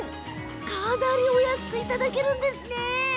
かなり、お安くいただけるんです。